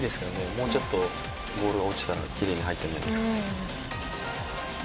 もうちょっとボールが落ちたらきれいに入ったんじゃないですか。